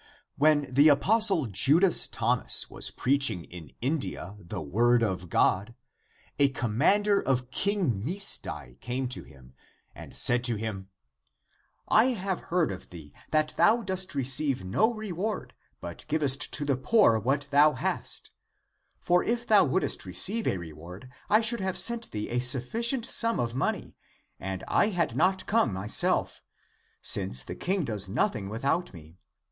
When the apostle Judas Thomas was preaching in India the word of God, a commander of King Misdai (Masdai) came to him, and said to him, " I have heard of thee that thou dost receive no 16 Comp. Matt. XIX, 27, 29. 28o THE APOCRYPHAL ACTS reward, but givest to the poor what thou hast. For if thou wouldst receive a reward, I should have sent thee a sufficient sum of money and I had not come myself, since the king does nothing without me.